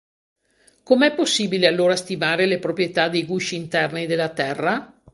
Come è possibile allora stimare le proprietà dei gusci interni della Terra?